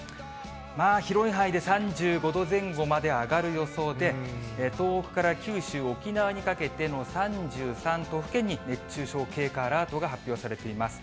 まあ広い範囲で３５度前後まで上がる予想で、東北から九州、沖縄にかけての３３都府県に熱中症警戒アラートが発表されています。